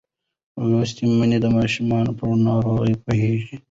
لوستې میندې د ماشوم پر ناروغۍ پوهه لري.